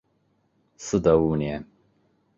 嗣德五年。